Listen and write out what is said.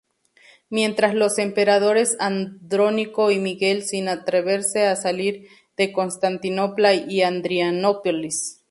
Mientras los Emperadores Andrónico y Miguel sin atreverse a salir de Constantinopla y Adrianópolis.